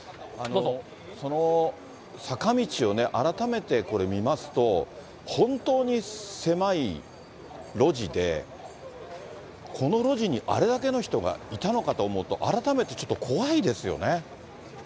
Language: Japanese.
その坂道をね、改めてこれ、見ますと、本当に狭い路地で、この路地にあれだけの人がいたのかと思うと、改めてちょっと怖いですよね。